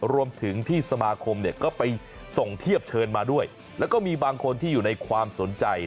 รวมถึงที่สมาคมเนี่ยก็ไปส่งเทียบเชิญมาด้วยแล้วก็มีบางคนที่อยู่ในความสนใจ